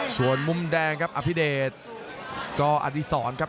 ส่วนมุมแดงครับอภิเดชกอดีศรครับ